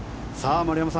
丸山さん